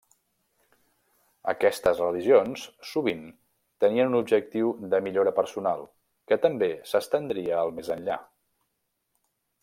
Aquestes religions sovint tenien un objectiu de millora personal, que també s'estendria al més enllà.